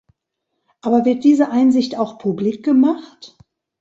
Aber wird diese Einsicht auch publik gemacht?